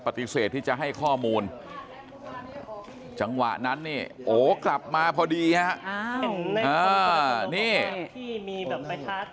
ปฏิเสธที่จะให้ข้อมูลจังหวะนั้นนี่โอกลับมาพอดีฮะ